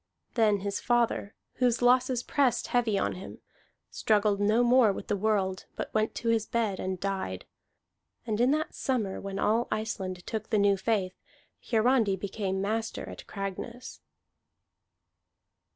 Then his father, whose losses pressed heavy on him, struggled no more with the world, but went to his bed and died. And in that summer when all Iceland took to the new faith, Hiarandi became master at Cragness.